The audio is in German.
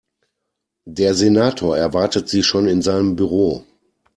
Der Senator erwartet Sie schon in seinem Büro.